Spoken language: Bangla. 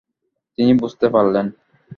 তিনি বুঝতে পারলেনঃ